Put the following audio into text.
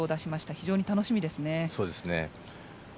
非常に楽しみですね。